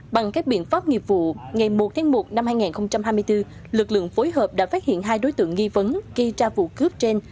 bằng các biện pháp nghiệp vụ ngày một tháng một năm hai nghìn hai mươi bốn lực lượng phối hợp đã phát hiện hai đối tượng nghi vấn gây ra vụ cướp trên